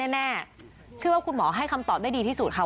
แน่เชื่อว่าคุณหมอให้คำตอบได้ดีที่สุดค่ะ